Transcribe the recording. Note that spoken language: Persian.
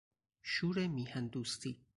شور میهن دوستی